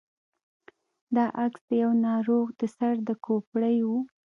دا عکس د يوه ناروغ د سر د کوپړۍ و.